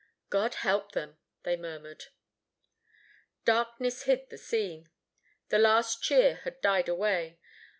"God help them!" they murmured. Darkness hid the scene. The last cheer had died away.